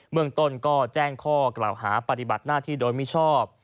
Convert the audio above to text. เมืองต้นก็แจ้งข้อกล่าวหาปฏิบัติหน้าที่โดยมิชอบ